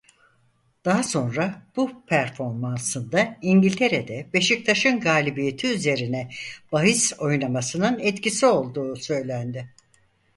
Daha sonra bu performansında İngiltere'de Beşiktaş'ın galibiyeti üzerine bahis oynamasının etkisi olduğu söylendi.